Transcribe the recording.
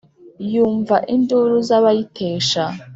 yumva induru z’abayitesha